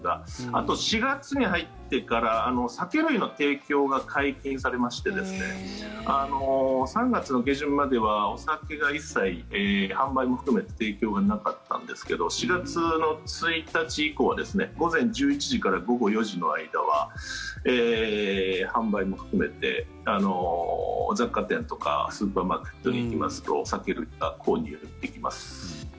あと、４月に入ってから酒類の提供が解禁されまして３月の下旬まではお酒が一切、販売も含めて提供がなかったんですけど４月１日以降は午前１１時から午後４時の間は販売も含めて雑貨店とかスーパーマーケットに行きますとお酒類が購入できます。